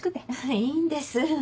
いいんです。